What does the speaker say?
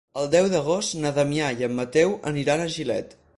El deu d'agost na Damià i en Mateu aniran a Gilet.